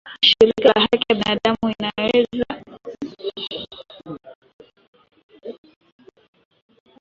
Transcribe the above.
Shirika la Haki ya binadamu inaelezea wasiwasi kuhusu kuteswa wafungwa nchini Uganda